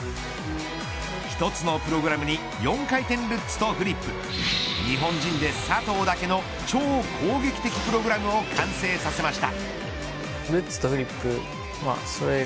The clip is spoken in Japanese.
１つのプログラムに４回転ルッツとフリップ日本人で佐藤だけの超攻撃的プログラムを完成させました。